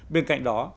bên cạnh đó